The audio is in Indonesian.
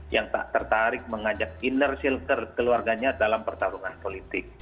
yang tak tertarik mengajak inner shelter keluarganya dalam pertarungan politik